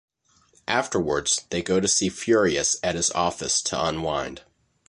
Afterwards, they go to see Furious at his office to unwind.